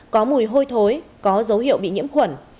có mùi hôi thối có dấu hiệu bị nhiễm khuẩn